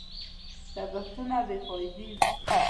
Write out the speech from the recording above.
لګښتونه بې فايدې وي.